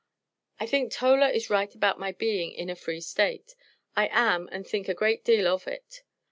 I think Tolar is right About my being in A free State, I am and think A great del of it.